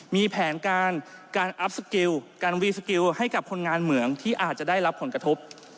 มีแผนการการอัพสกิลการวีสกิลให้กับคนงานเหมืองที่อาจจะได้รับผลกระทบ